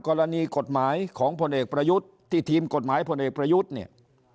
กรณีกฎหมายของพลเอกประยุทธ์ที่ทีมกฎหมายพลเอกประยุทธ์เนี่ย